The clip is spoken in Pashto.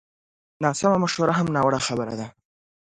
ناسمه مشوره هم ناوړه خبره ده